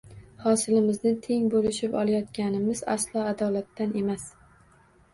Hosilimizni teng bo`lishib olayotganimiz aslo adolatdan emas